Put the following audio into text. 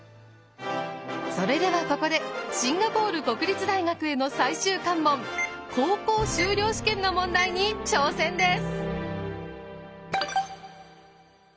それではここでシンガポール国立大学への最終関門高校修了試験の問題に挑戦です。